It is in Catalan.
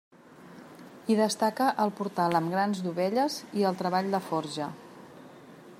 Hi destaca el portal amb grans dovelles i el treball de forja.